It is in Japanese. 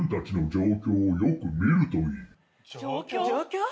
状況？